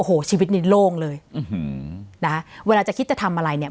โอ้โหชีวิตนี้โล่งเลยนะฮะเวลาจะคิดจะทำอะไรเนี่ย